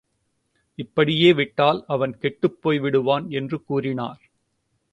இப்படியே விட்டால் அவன் கெட்டுப்போய் விடுவான் என்று கூறினார்.